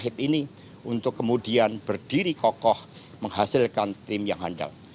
hate ini untuk kemudian berdiri kokoh menghasilkan tim yang handal